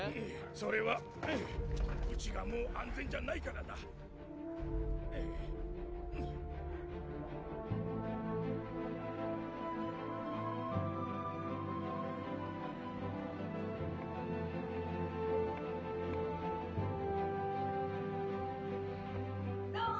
それはうちがもう安全じゃないからだロン！